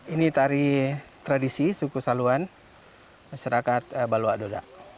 ini tari tradisi suku saluan masyarakat baladoa